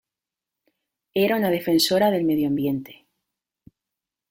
Era una defensora del medio ambiente.